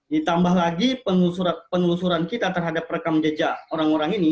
ditambah lagi penelusuran kita terhadap rekam jejak orang orang ini